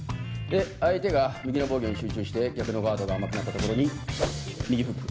で相手が右の防御に集中して逆のガードが甘くなったところに右フック。